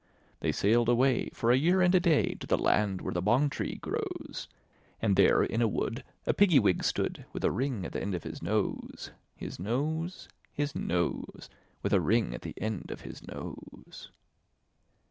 They sailed away, for a year and a day, To the land where the bong tree grows; And there in a wood a Piggy wig stood, With a ring at the end of his nose, His nose, His nose, With a ring at the end of his nose.